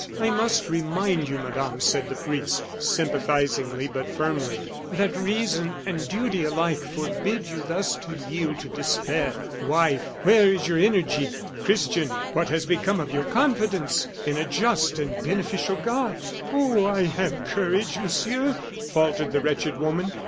"I must remind you, Madame," said the priest, sympathizingly, but firmly, "that reason and duty alike forbid you thus to yield to despair! Wife, where is your energy? Christian, what has become of your confidence in a just and beneficial God?" "Oh! I have courage, Monsieur," faltered the wretched woman.